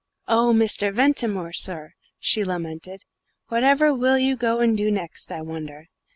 "Oh, Mr. Ventimore, sir," she lamented; "whatever will you go and do next, I wonder?